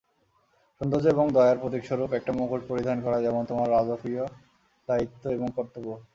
সৌন্দর্য এবং দয়ার প্রতীকস্বরূপ একটা মুকুট পরিধান করা যেমন তোমার রাজকীয় দ্বায়িত্ব এবং কর্তব্য।